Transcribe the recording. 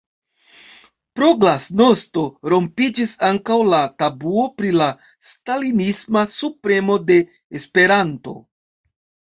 pro “glasnosto” rompiĝis ankaŭ la tabuo pri la stalinisma subpremo de Esperanto.